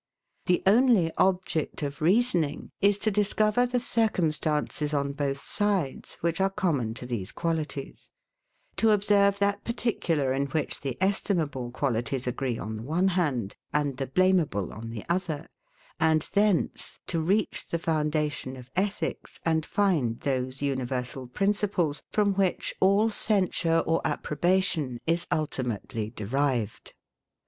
The only object of reasoning is to discover the circumstances on both sides, which are common to these qualities; to observe that particular in which the estimable qualities agree on the one hand, and the blameable on the other; and thence to reach the foundation of ethics, and find those universal principles, from which all censure or approbation is ultimately derived.